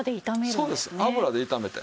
そうです油で炒めて。